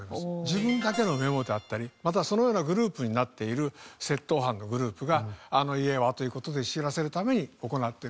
自分だけのメモであったりまたはそのようなグループになっている窃盗犯のグループが「あの家は」という事で知らせるために行ってる。